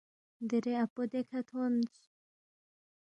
دیرے اپو دیکھہ تھونس